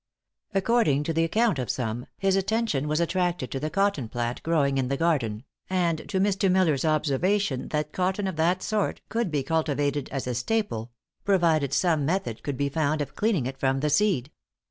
According to the account of some, his attention was attracted to the cotton plant growing in the garden, and to Mr. Miller's observation that cotton of that sort could be cultivated as a staple, provided some method could be found of cleaning it from the seed.